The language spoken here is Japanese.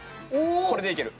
これでいける。